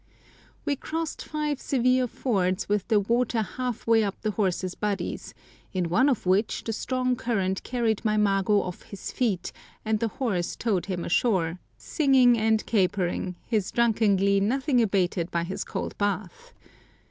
We crossed five severe fords with the water half way up the horses' bodies, in one of which the strong current carried my mago off his feet, and the horse towed him ashore, singing and capering, his drunken glee nothing abated by his cold bath.